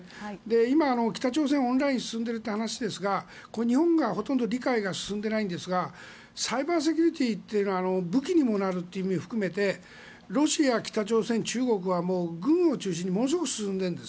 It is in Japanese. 今、北朝鮮オンラインが進んでいるという話ですが日本がほとんど理解が進んでいないんですがサイバーセキュリティーっていうのは武器にもなるという意味も含めてロシア、北朝鮮、中国は軍を中心にものすごく進んでいるんです。